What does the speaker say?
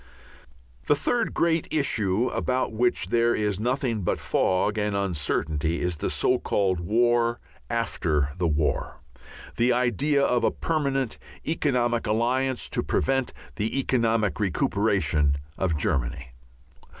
The third great issue about which there is nothing but fog and uncertainty is the so called "War After the War," the idea of a permanent economic alliance to prevent the economic recuperation of Germany.